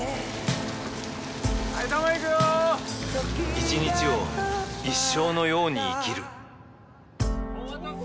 一日を一生のように生きるお待たせ！